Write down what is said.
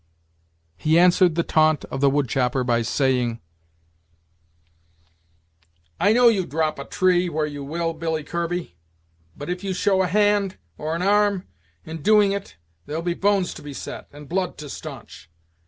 He answered the taunt of the wood chopper, by saying: "I know you drop a tree where you will, Billy Kirby; but if you show a hand, or an arm, in doing it, there'll be bones to be set, and blood to staunch.